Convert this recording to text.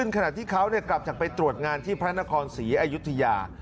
ขณะที่เขากลับจากไปตรวจงานที่พระนครศรีอยุธยา